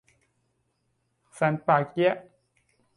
สันป่าเกี๊ยะ